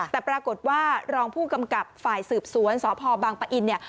แต่ปรากฏว่ารองผู้กำกับฝ่ายสืบสวนสพบังปะอินเนี่ย